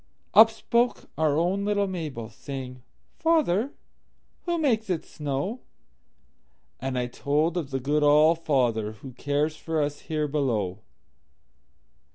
Up spoke our own little Mabel, Saying, "Father, who makes it snow?"And I told of the good All fatherWho cares for us here below.